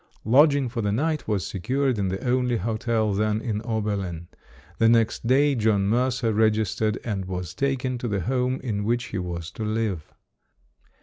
Lodging for the 'night was secured in the only hotel then in Ober lin. The next day John Mercer registered and was taken to the home in which he was to live.